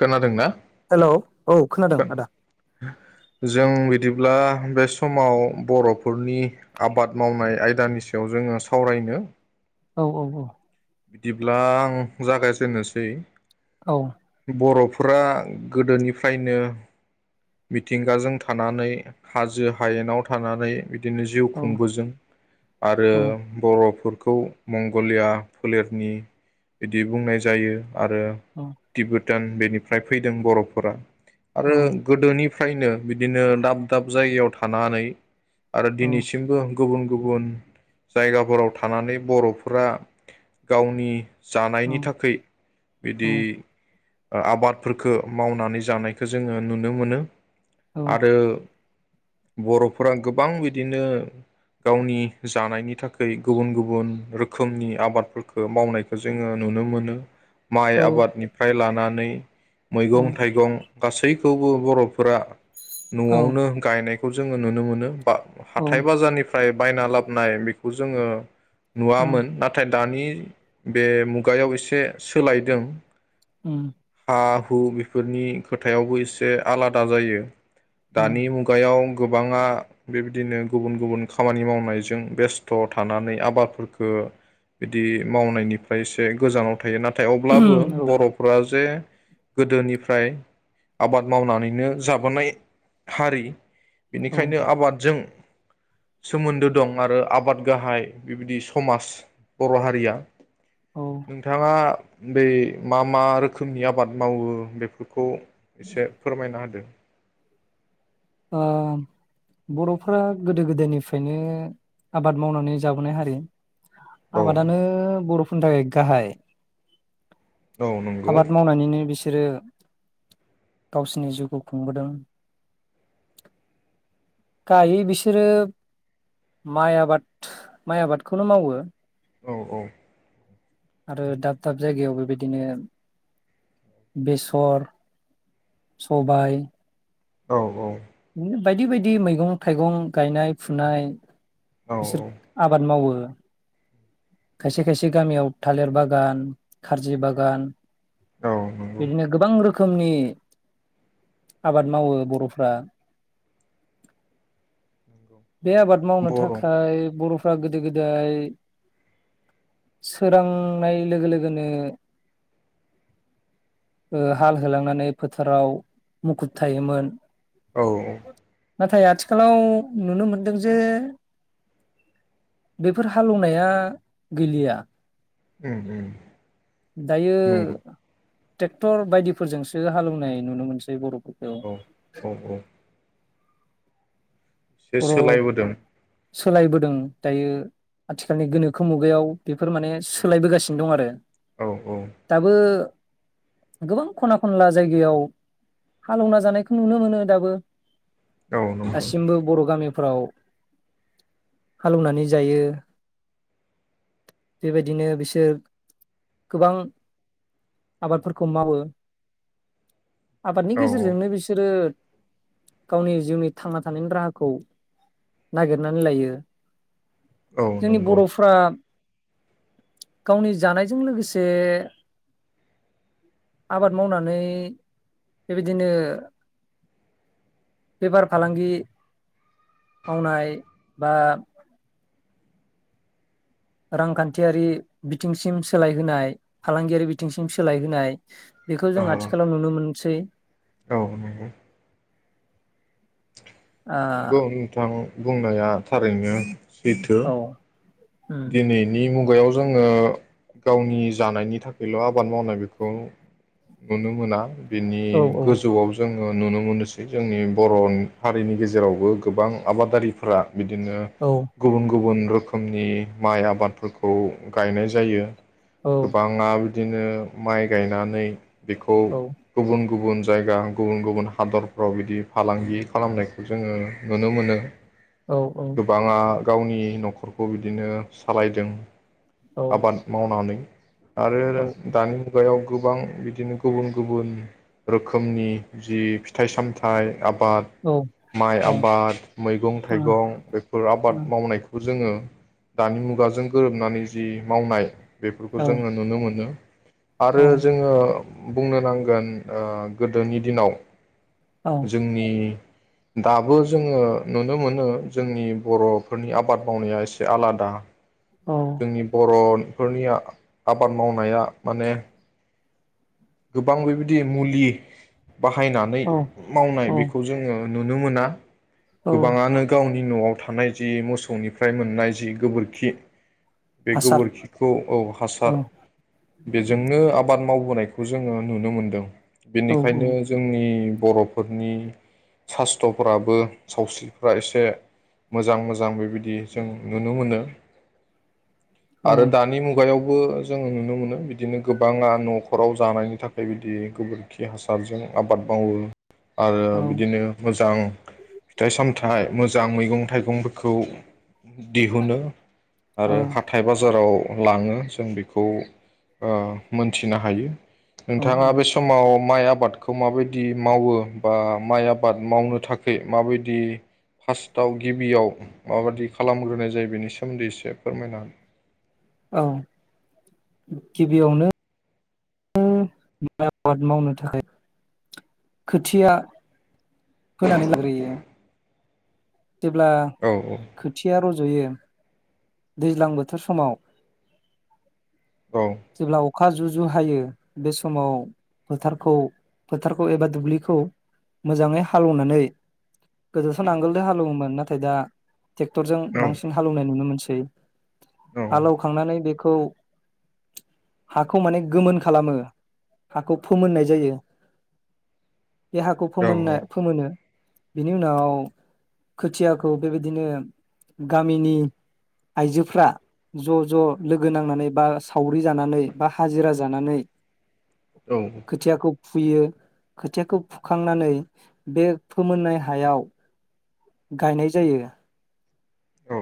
खोनादों ना हेलौ औ खोनादों आदा। जों बिदिब्ला बे समाव बर'फोरनि आबाद मावनाय आयदानि सायाव जोङो सावरायनो औ औ औ बिदिब्ला आं जागाय जेननोसै औ बर'फोरा गोदोनिफ्रायनो मिथिंगाजों थानानै हाजो हायेनाव थानानै बिदिनो जिउ औ खुंबो जों आरो औ बर'फोर खौ मंगलिया फोलेरनि बिदि बुंनाय जायो आरो औ टिबट भुटान बेनिफ्राय फैदों बर'फोरा औ आरो गोदोनि निफ्रायनो बिदिनो दाब दाब जायगायाव थानानै आरो औ दिनैसिमबो गुबुन गुबुन जायगाफोराव थानानै बर'फोरा गावनि जानायनि थाखाय बिदि आबादफोरखौ मावनानै जानायखौ जोङो नुनो मोनो आरो बर'फोरा गोबां बिदिनो गावनि जानायनि थाखाय गुबुन गुबुन रोखोमनि आबाद मावनायखौ जोङो नुनो मोनो माइ औ आबादनिफ्राय लानानै नै औ मैगं थाइगं गासैखौबो बर'फोरा औ न'आवनो गायनाय खौ जोङो नुनो मोनो। हाथाय बाजारनिफ्राय बायना लाबोनाय बेखौ जोङो। उम उम नुवामोन नाथाय दानि बे मुगायाव एसे सोलायदों उम हा हु बेफोरनि खोथायावबो एसे आलादा जायो उम दानि मुगायाव गोबाङा बेबायदिनो गुबुन गुबुन खामानि मावनायजों बेस्थ' थानानै आबादफोरखो बिदि मावनायनिफ्राय एसे गोजानाव थायो। नाथाय नाथाय अब्लाबो बर'फ्रा जे गोदोनिफ्राय आबाद मावनानैनो जाबोनाय हारि औ बेनिखायनो आबादजों सोमोन्दो दं आरो आबाद गाहाय बेबायदि समाज बर' हारिया ओ [unintelligible] नोंथाङा बै मा मा रोखोमनि आबाद मावो बेफोरखौ? एसे फोरमायना होदो? ओ बर'फोरा गोदो गोदायनिफ्रायनो आबाद मावनानै जाबोनाय हारि। औ आबादानो बर'फोरनि थाखाय गाहाय औ नंगौ आबाद मावनानैनो बिसे बिसोरो गावसिनि जिउखौ खुंबोदों गायै बिसोरो माइ आबाद माइ आबादखौनो मावो। औ औ आरो दाब दाब जायगायाव बैबायदिनो बेसर सबाय औ औ बिदिनो बायदि बायदि मैगं थाइगं गायनाय फुनाय। औ बिसोर आबाद मावो खायसे खायसे गामियाव थालिर बागान खारजि बागान औ औ नंगौ बिदिनो गोबां रोखोम खोमनि आबाद मावो बर'फ्रा बे आबाद मावनो बर' औ थाखाय बर' फ्रा गोदो गोदाय सोरांनाय लोगो लोगोनो हाल होलांनानै फोथाराव मुखुब थायोमोन। औ औ नाथाय आथिखालाव नुनो मोनदों जे बेफोर हालेवनाया गैलिया ओम ओम दायो ट्रेक्टर बायदिफोरजोंसो हालेवनाय नुनो मोनसै बर' फोरखौ औ औ औ एसे सोलायबोदों सोलायबोदों दायो आथिखालनि गोनोखो मुगायाव बेफोर माने सोलायबोगासिनो दं आरो औ दाबो गोबां खना खनला जायगायाव हालेवना जानायखौ नुनो मोनो दाबो औ नंगौ दासिमबो बर' फ्राव हालौवनानै जायो बेबायदिनो बिसोर गोबां आबादफोरखौ मावो आबादनि औ गेजेरजोंनो बिसोरो गावनि जिउनि थांना थानायनि राहा खौ नागिरनानै लायो औ जोंनि नंगौ बर'फ्रा गावनि जानायजों लोगोसे आबाद मावनानै बेबायदिनो बेफार फालांगि मावनाय बा रांखान्थियारि बिथिंसिम सोलायहोनाय फालांगियारि बिथिंसिम सोलायहोनाय बेखौ जों औ आथिखालाव नुनो मोनसै औ नंगौ नोंथां बुं बुंनाया थारैनो सैथ' ओ औ उम दिनैनि मुगायाव जोङो गावनि जानायनि थाखायल' आबाद मावनाय बेखौ नुनो मोना बिनि औ गोजौआव जों ओ नुनो मोनोसै जोंनि बर' हारिनि गेजेरावबो गोबां आबादारिफ्रा बिदिनो औ गुबुन गुबुन रोखोमनि माइ आबादफोरखौ गायनाय जायो औ गोबाङा बि बिदिनो माइ गायनानै बेखौ औ गुबुन गुबुन जायगा गुबुन गुबुन हादरफ्राव बिदि फालांगि खालामनायखौ जोङो नुनो मोनो औ औ गोबाङा गावनि न'खरखौ बिदिनो सालायदों औ आबाद मावनानै आरो दानि मुगायाव गोबां बिदिनो गुबुन गुबुन रोखोमनि जि फिथाइ सामथाइ आबाद औ माइ औ आबाद मैगं औ थाइगं बेफोर आबाद मावनायखौ जोङो दानि मुगाजों गोरोबनानै जि मावनाय बेफोरखौ औ जोङो नुनो मोनो आरो जोङो बुंनो नांगोन ओ गोदोनि दिनाव जोंनि दाबो जोङो नुनो मोनो जोंनि बर'फोरनि आबाद मावनाया एसे आलादा दा जोंनि बर' फोरनिया आबाद मावनाया माने गोबां बेबायदि मुलि बाहायनानै औ मावनाय औ बेखौ जोङो नुनो मोना औ गोबाङानो गावनि नि न'आव थानाय जि मोसौनिफ्राय मोननाय जि गोबोरखि बे हासार गोबोरखिखौ औ औ हासार बेजोंनो आबाद मावबोनायखौ खौ जोङो नुनो मोनदों औ बेनिखायनो जोंनि बर'फोरनि सास्त्रफ्राबो सावस्रिफ्रा एसे मोजां मोजां बेबायदि जों नुनो मोनो औ आरो दानि मुगायाव जो नुनो मोनो बिदिनो गोबाङा न'खराव जानायनि थाखाय बिदि गोबोरखि हासारजों आबाद मावो आरो औ बिदिनो मोजां फिथाइ सामथाइ मोजां मैगं थाइगंफोरखौ दिहुनो आरो औ हाथाय बाजाराव लाङो जों बेखौ ओ मोनथिनो हायो नोंथाङा औ बे समाव माइ आबादखौ माबायदि मावो बा माइ आबाद मावनो थाखै माबायदि फार्स्टआव गिबियाव माबायदि खालामग्रोनाय जायो बेनि सोमोन्दै एसे फोरमायनो हागोन औ गिबियावनो आबाद मावनो थाखाय खोथिया खोनादों ना ओरैयो जेब्ला हो औ औ खोथिया रज'यो दैज्लां बोथोर समाव औ जेब्ला अखा जुजु जु हायो बे समाव फोथारखौ फोथारखौ एबा दुब्लिखौ मोजाङै हालेवनानै गोदोथ' नांगोल हालेवोमोन नाथाय दा ट्रेक्टरजों बांसिन हालौनाय नुनो मोनसै सै हालौखांनानै बे खौ हाखौ माने गोमोन खालामो हाखौ फोमोननाय जायो देहाखौ औ फोमोनाय फोमोनो बिनि उनाव खोथियाखौ बेबायदिनो गामिनि आइजोफ्रा ज' ज' लोगो नांनानै बा सावरि जानानै बा हाजिरा जानानै औ खथियाखौ फुयो खोथियाखौ फुखांनानै बे फोमोननाय हायाव गायनाय जायो औ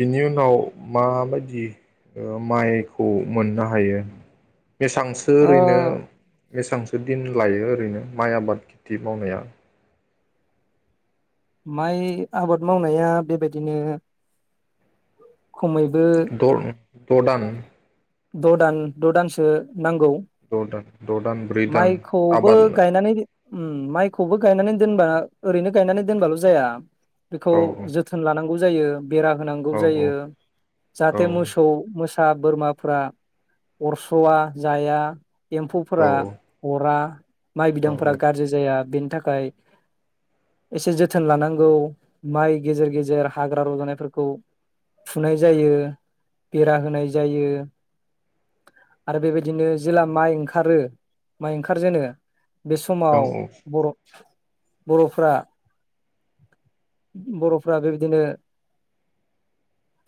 बिनि उनाव माबायदि ओ माइखौ मोननो हायो बेसांसो ओ ओरैनो बेसांसो दिन लायो ओरैनो माइ आबाद खेथि मावनाया माइ आबाद मावनाया बेबायदिनो खमैबो द दान द' दान द' दानसो नांगौ द दान द' दान ब्रै दान माइखौबो आबाद गायनानै उम माइखौबो गायनानै दोनबा ओरैनो गायनानै दोनबाल' जाया बेखौ औ जोथोन लानांगौ जायो बेरा होनांगौ औ जायो औ जाहाथे मोसौ मोसा फ्रा बोरमाफ्रा अरस'वा जाया औ एम्फौफोरा रा माइ औ बिदांफोरा गाज्रि जाया बे थाखाय एसे जोथोन लानांगौ माइ गेजेर गेजेर हाग्रा रजानायफोरखौ फुनाय जायो बेरा होनाय जायो आरो बेबायदिनो जेला माइ ओंखारो माइ ओंखारजेनो बे औ समाव बर' बर'फ्रा बर'फ्रा बेबायदिनो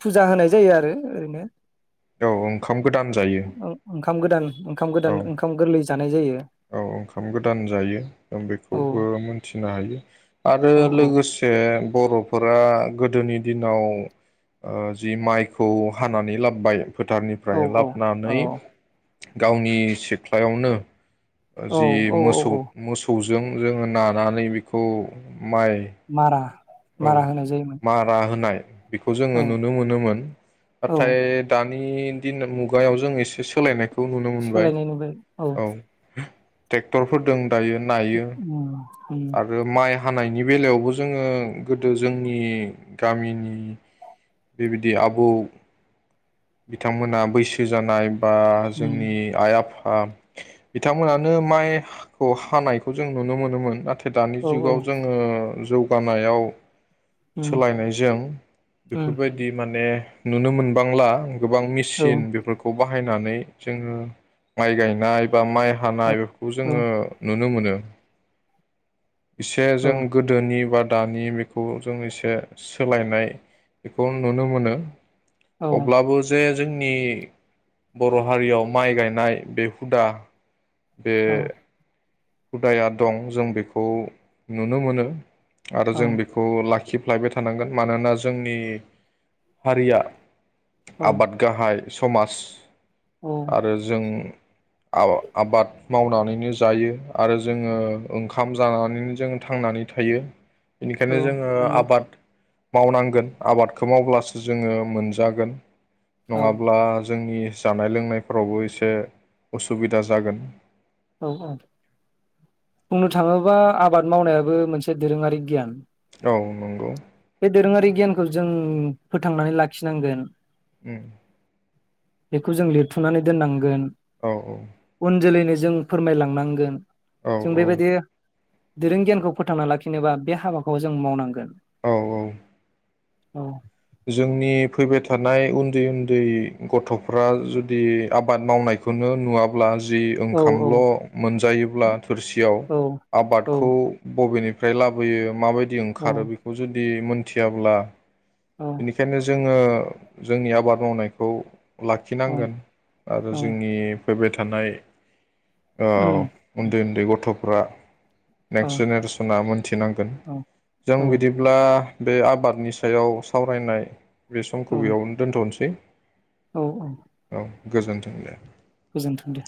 फुजा होनाय जायो आरो ओरैनो औ ओंखाम गोदाम जायो ओंखाम गोदान ओंखाम औ गोदान ओंखाम गोरलै जानाय जायो औ ओंखाम गोदान जायो औ बेखौबो मोनथिनो हायो आरो औ औ लोगोसे बर' फोरा गोदोनि दिनाव जि माइखौ हानानै लाबबाय औ फोथारनिफ्राय औ लाबानानै गावनि सिख्लायावनो औ जि औ मोसौ औ मोसौ जों जोङो नानानै बेखौ माइ मारा औ मारा होनाय जायोमोन मारा होनाय बेखौ जोङो औ नुनो मोनोमोन औ नाथाय दान नि दिन मुगायाव जों एसे सोलायनाय सोलायनाय नुबाय औ टेक्टरफोर दों दायो नायो उम उम आरो माइ हानायनि बेलायावबो जोङो गोदो जोंनि गामिनि बेबायदि आबौ बिथांमोना बैसो जानाय बा उम जोंनि आइ आफा आ बिथांमोनानो माइहा खौ हानायखौ जों नुनो मोनोमोन नाथाय दानि औ औ जुगाव जोङो जौगानायाव उम सोलायनायजों उम बेफोरबायदि माने नुनो मोनबांला गोबां औ मिसिन बेफोरखौ बा बाहायनानै जोङो माइ गायनाय बा माइ औ हानाय बेफोरखौ औ जोङो नुनो मोनो [inaudible] इसे औ जों गोदोनि बा दानि बे खौ जों इसे सोलायनाय बेखौ आं नुनो मोनो औ अब्लाबो जे जोंनि बर' हारियाव माइ गायनाय बे हुदा बे हुदाया दं जों बेखौ नुनो मोनो आरो औ जों बेखौ लाखि फ्लायबाय थानांगोन मानोना जोंनि हारिया औ आबाद गाहाय समाज औ आरो जों आव आबाद मावनानैनो जायो आरो जोङो ओंखाम जानानैनो जों थांनानै थायो बिनिखायनो औ जोङो नंगौ आबाद मावनांगोन आबादखौ मावब्लासो जोङो मोनजागोन औ नङाब्ला जोंनि जानाय लोंनायफोरावबो एसे उसुबिदा जागोन औ औ बुंनो थाङोब्ला आबाद मावनायाबो मोनसे दोरोङारि गियान औ नंगौ बे दोरोङारि गियानखौ जों फोथांनानै लाखिनांगोन उम बेखौ जों लिरथ'नानै दोननांगोन औ औ उन जोलैनो जों फोरमायलांनांगोन औ जों बेबायदि दोरों गियानखौ फोथांना लाखिनोबा बे हाबाखौ जों मावनांगोन औ औ औ जोंनि फैबाय थानाय उन्दै उन्दै गथ'फ्रा जुदि आबाद मावनायखौनो नुवाब्ला जि औ औ ओंखामल' मोनजायोब्ला थोरसियाव औ औ आबादखौ बबेनि फ्राय लाबोयो मा बायदि औ ओंखारो बेखौ जुदि थियाब्ला बेनिखायनो जोङो जोंनि आबाद मावनायखौ औ लाखिनांगोन आरो औ जोंनि फैबाय थानाय औ उम उन्दै उन्दै गथ' ब्रा औ नेक्स्ट जेनेरेसना मोनथिनांगोन औ जों बिदिब्ला बे आबादनि सायाव सावरायनाय बे समखौ औ बेयावनो दोन्थ'नोसै औ औ गोजोन्थों ले गोजोनथों दे